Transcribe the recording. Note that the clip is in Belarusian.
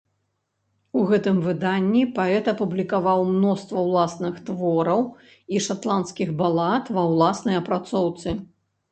У гэтым выданні паэт апублікаваў мноства ўласных твораў і шатландскіх балад ва ўласнай апрацоўцы.